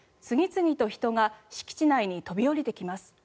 次々と人が敷地内に飛び降りてきます。